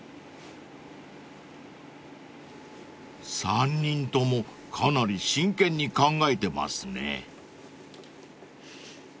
［３人ともかなり真剣に考えてますね］